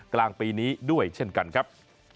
กลางปีนี้ด้วยเช่นกันครับ